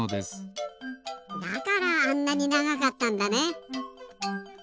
だからあんなにながかったんだね。